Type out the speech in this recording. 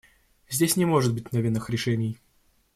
Здесь не может быть мгновенных решений.